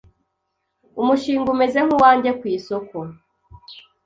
umushinga umeze nk’uwanjye ku isoko